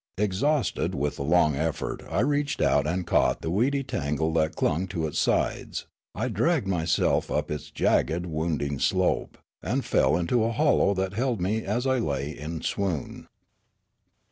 Exhausted with the long effort I reached out and caught the weedy tangle that clung to its sides ; I dragged myself up its jagged, wounding .slope, and fell into a hollow that held me as I lay in swoon.